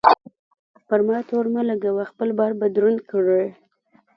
پر ما تور مه لګوه؛ خپل بار به دروند کړې.